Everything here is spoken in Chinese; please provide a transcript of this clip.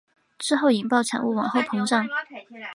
之后引爆产物往后膨胀。